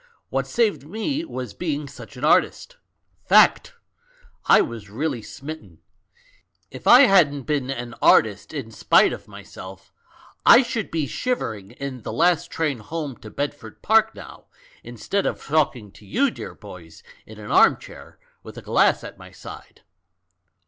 What saved me was being such an artist. Fact! I was really smitten. If I hadn't been an artist in spite of myself I should be shivering in the last train home to Bedford Park now, instead of talking to you dear boys in an arm chair, with a glass at my side.